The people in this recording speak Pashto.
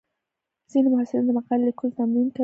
ځینې محصلین د مقالې لیکلو تمرین کوي.